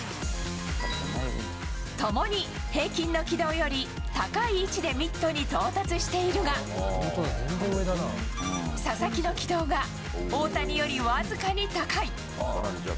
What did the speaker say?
ともに平均の軌道より高い位置でミットに到達しているが、佐々木の軌道が大谷より僅かに高い。